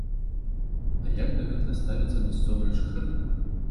А як да гэтага ставяцца мясцовыя жыхары?